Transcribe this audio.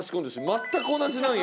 全く同じなんや。